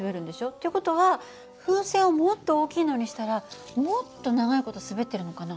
っていう事は風船をもっと大きいのにしたらもっと長い事滑ってるのかな？